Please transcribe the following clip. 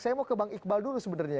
saya mau ke bang iqbal dulu sebenarnya